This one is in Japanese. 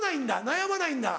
悩まないんだ？